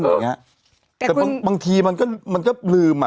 มันก็บางทีมันลืมอ่ะ